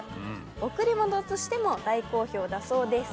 贈り物としても大好評だそうです。